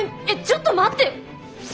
えっちょっと待って。